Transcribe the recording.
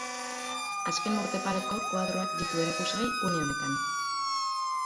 Azken urte pareko koadroak ditu erakusgai une honetan.